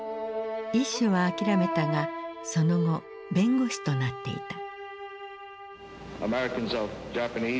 医師は諦めたがその後弁護士となっていた。